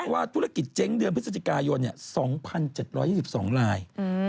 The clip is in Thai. ว่าธุรกิจเจ๊งเดือนพฤศจิกายน๒๗๒๒ลาย